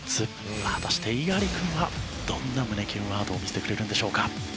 果たして猪狩君はどんな胸キュンワードを見せてくれるんでしょうか？